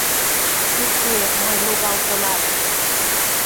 Уке, мый логалтылаш!